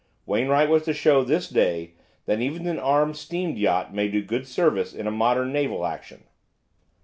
Wainwright was to show this day that even an armed steam yacht may do good service in a modern naval action.